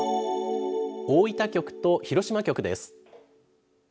大分局と広島局です。